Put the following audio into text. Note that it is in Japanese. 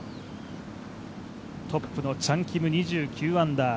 トップのチャン・キム２９アンダー